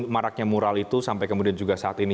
maraknya mural itu sampai kemudian juga saat ini